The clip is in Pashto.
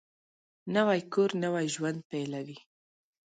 نوی کور نوی ژوند پېلوي